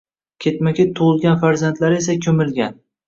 Ketma-ket tugʻilgan farzandlari esa koʻmilgan